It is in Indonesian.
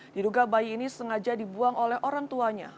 diduga bayi ini sengaja dibuang oleh orang tuanya